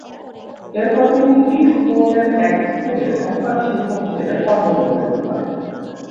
এরপর তিনি ইস্টবোর্নের এক স্কুলে সহকারী শিক্ষক হিসেবে কর্মজীবন শুরু করেন।